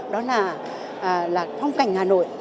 đó là phong cảnh hà nội